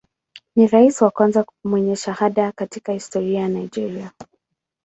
Ni rais wa kwanza mwenye shahada katika historia ya Nigeria.